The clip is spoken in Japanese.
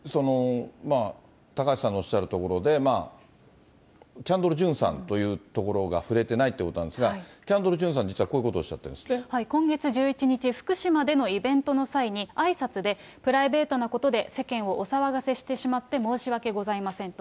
高橋さんのおっしゃるところで、キャンドル・ジュンさんというところが触れてないということなんですが、キャンドル・ジュンさん、実はこういうことをおっしゃって今月１１日、福島でのイベントの際に、あいさつで、プライベートなことで、世間をお騒がせしてしまって申し訳ございませんと。